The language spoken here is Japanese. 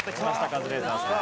カズレーザーさん。